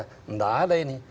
tidak ada ini